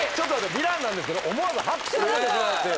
ヴィランなんですけど思わず拍手が出てしまうという。